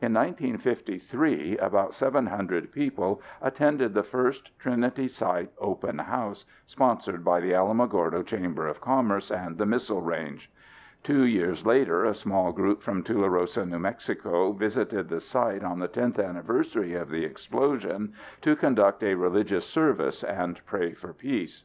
In 1953 about 700 people attended the first Trinity Site open house sponsored by the Alamogordo Chamber of Commerce and the Missile Range. Two years later, a small group from Tularosa, NM visited the site on the 10th anniversary of the explosion to conduct a religious service and pray for peace.